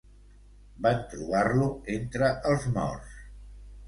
Van trobar-lo entre els morts.